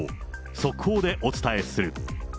速報でお伝えする。